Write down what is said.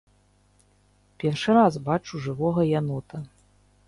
Першы раз бачу жывога янота.